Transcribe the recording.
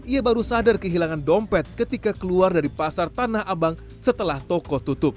ia baru sadar kehilangan dompet ketika keluar dari pasar tanah abang setelah toko tutup